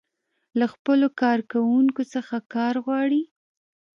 له خپلو کارکوونکو څخه کار غواړي.